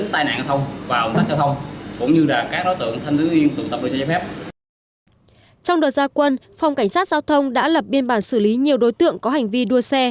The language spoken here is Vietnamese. trong đợt gia quân phòng cảnh sát giao thông đã lập biên bản xử lý nhiều đối tượng có hành vi đua xe